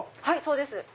はいそうです。